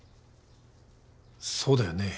そうだよね。